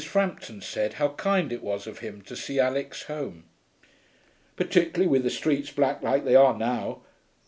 Frampton said how kind it was of him to see Alix home. 'Particularly with the streets black like they are now.